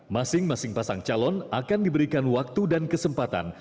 masing masing pasang calon akan diberikan waktu dan kesempatan